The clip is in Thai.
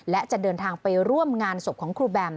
และจะเดินทางไปร่วมงานศพของครูแบม